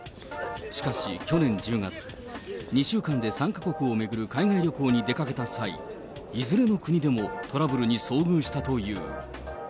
しかし去年１０月、２週間で３か国を巡る海外旅行に出かけた際、いずれの国でもトラブルに遭遇したという。